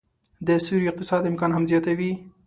د سیوري اقتصاد امکان هم زياتوي